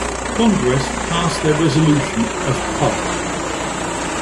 Congress passed their resolution as Pub.